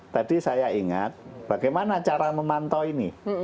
tadi saya ingat bagaimana cara memantau ini